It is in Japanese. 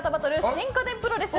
新家電プロレス。